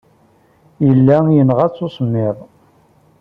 Yella yenɣa-tt usemmiḍ.